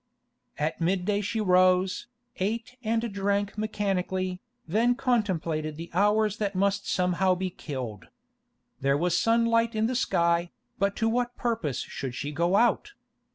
At midday she rose, ate and drank mechanically, then contemplated the hours that must somehow be killed. There was sunlight in the sky, but to what purpose should she go out?